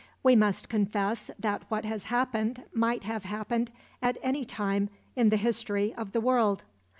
We must confess that what has happened might have happened at any time in the history of the world.